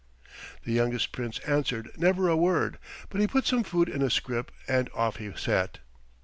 The youngest Prince answered never a word, but he put some food in a scrip and off he set.